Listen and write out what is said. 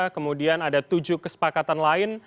kemudian ada tujuh kesepakatan lain